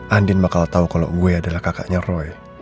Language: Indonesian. andin bakal tau kalo gue adalah kakaknya roy